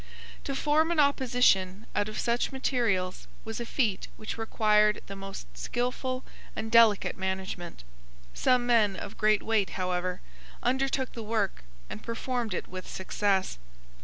To form an opposition out of such materials was a feat which required the most skilful and delicate management. Some men of great weight, however, undertook the work, and performed it with success.